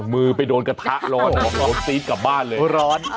มือไปโดนกระทะร้อนออกซี๊กกลับบ้านเลย